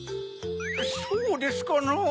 そうですかなぁ？